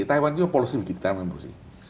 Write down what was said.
taiwan itu polosnya begitu tidak mengerti